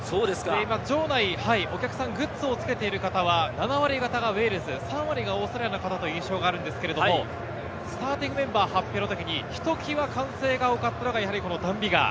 今、場内、お客さんがグッズをつけている方は７割方がウェールズ、３割がオーストラリアという印象があるんですが、スターティングメンバー発表のときにひときわ歓声が多かったのがやはりダン・ビガー。